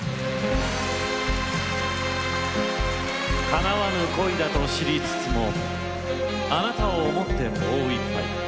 かなわぬ恋だと知りつつもあなたを思ってもう１杯。